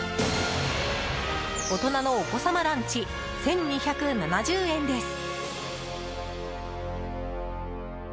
大人のお子様ランチ１２７０円です。